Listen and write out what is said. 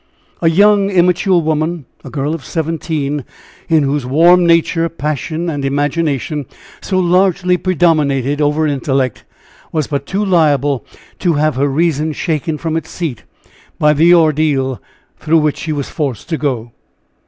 A young, immature woman, a girl of seventeen, in whose warm nature passion and imagination so largely predominated over intellect, was but too liable to have her reason shaken from its seat by the ordeal through which she was forced to go.